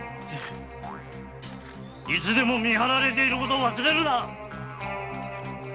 いつでも見張られていることを忘れるな！